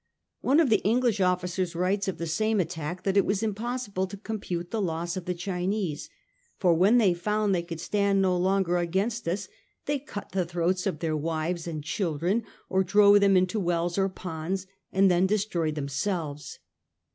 One of the English officers writes of the same attack, that it was impossible to compute the loss of the Chinese, ' for when they found they could stand no longer against us, they cut the throats of their wives and children, or drove them into wells or ponds, and then destroyed themselves.